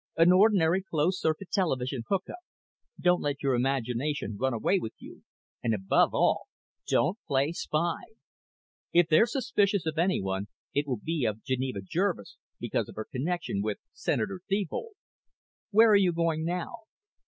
"An ordinary closed circuit television hookup. Don't let your imagination run away with you, and above all don't play spy. If they're suspicious of anyone it will be of Geneva Jervis because of her connection with Senator Thebold. Where are you going now?"